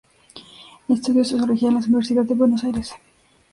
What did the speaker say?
Estudió sociología en la Universidad de Buenos Aires.